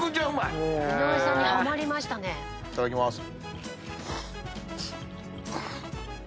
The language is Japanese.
いただきます。